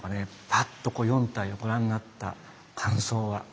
パッと４体をご覧になった感想は。